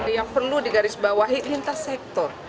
yang perlu digarisbawahi lintas sektor